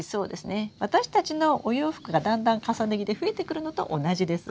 私たちのお洋服がだんだん重ね着で増えてくるのと同じです。